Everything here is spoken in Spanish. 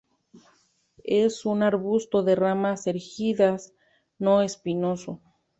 Es un arbusto de ramas erguidas no espinoso.